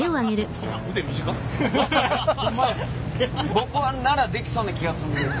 僕ならできそうな気がするんです。